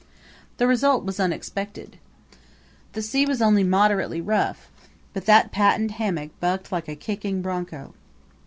The result was unexpected. The sea was only moderately rough; but that patent hammock bucked like a kicking bronco.